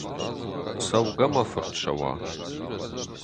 Цӕугӕ, мӕ фырт Сӕуа.